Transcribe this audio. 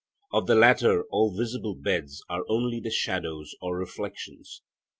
Of the latter all visible beds are only the shadows or reflections.